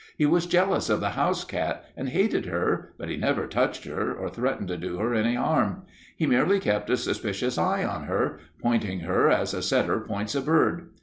He was jealous of the house cat and hated her, but he never touched her or threatened to do her any harm. He merely kept a suspicious eye on her, pointing her as a setter points a bird.